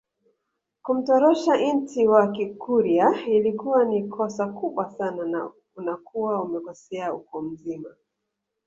Kumtorosha inti wa kikurya ilikuwa ni kosa kubwa sana na unakuwa umekosea ukoo mzima